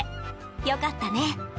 良かったね！